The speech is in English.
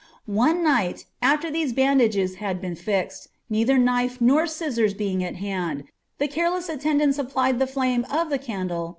Ox night, after these bandages had been fixed, neither knife nor aijiii being at hand, the careless attendants applied the flame of the caarfk